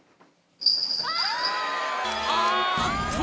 ああっと！